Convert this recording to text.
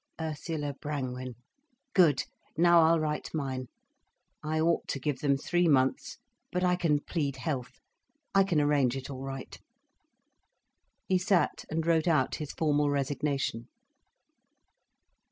'Ursula Brangwen.' Good! Now I'll write mine. I ought to give them three months, but I can plead health. I can arrange it all right." He sat and wrote out his formal resignation.